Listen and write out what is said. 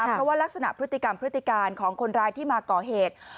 เพราะว่ารักษณะพฤติกรรมพฤติการของคนร้ายที่มาก่อเหตุ